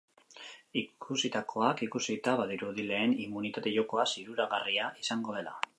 Ikusitakoak ikusita, badirudi lehen immunitate jokoa zirraragarria izango dela.